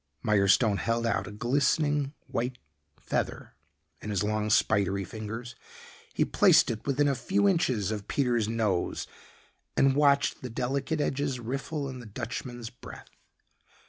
Mirestone held out a glistening white feather in his long spidery fingers. He placed it within a few inches of Peter's nose and watched the delicate edges riffle in the Dutchman's breath.